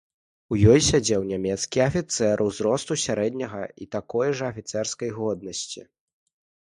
У ёй сядзеў нямецкі афіцэр, узросту сярэдняга і такой жа афіцэрскай годнасці.